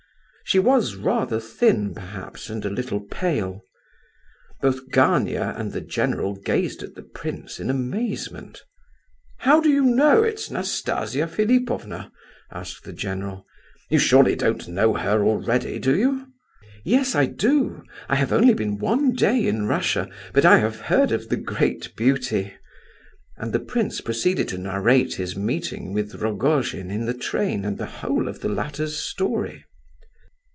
She was rather thin, perhaps, and a little pale. Both Gania and the general gazed at the prince in amazement. "How do you know it's Nastasia Philipovna?" asked the general; "you surely don't know her already, do you?" "Yes, I do! I have only been one day in Russia, but I have heard of the great beauty!" And the prince proceeded to narrate his meeting with Rogojin in the train and the whole of the latter's story.